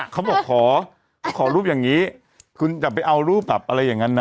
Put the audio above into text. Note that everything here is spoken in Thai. เขาบอกขอขอรูปอย่างนี้คุณอย่าไปเอารูปแบบอะไรอย่างนั้นนะ